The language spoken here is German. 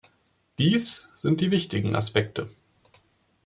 Dies sind die wichtigen Aspekte.